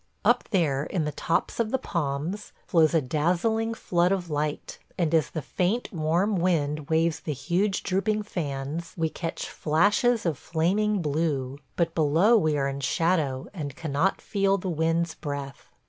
Up there, in the tops of the palms, flows a dazzling flood of light, and as the faint warm wind waves the huge drooping fans we catch flashes of flaming blue; but below we are in shadow and cannot feel the wind's breath.